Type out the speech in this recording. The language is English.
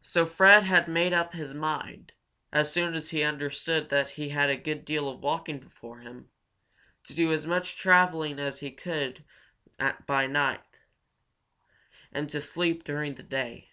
So Fred had made up his mind, as soon as he understood that he had a good deal of walking before him, to do as much of his traveling as was possible by night, and to sleep during the day.